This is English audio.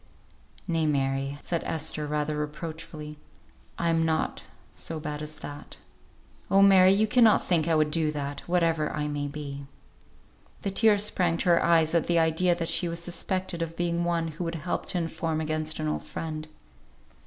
"Nay, Mary," said Esther, rather reproachfully, "I am not so bad as that. Oh! Mary, you cannot think I would do that, whatever I may be." The tears sprang to her eyes at the idea that she was suspected of being one who would help to inform against an old friend.